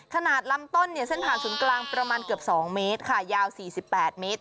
ขนาดลำต้นเนี่ยเส้นผ่านศูนย์กลางประมาณเกือบสองเมตรค่ะยาวสี่สิบแปดเมตร